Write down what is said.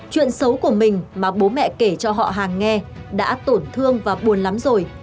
chuyện xấu của mình mà bố mẹ kể cho họ hàng nghe đã tổn thương và buồn lắm rồi